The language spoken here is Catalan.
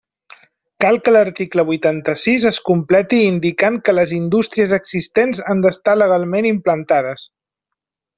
Cal que l'article vuitanta-sis es completi indicant que les indústries existents han d'estar legalment implantades.